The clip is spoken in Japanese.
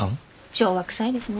昭和くさいですね。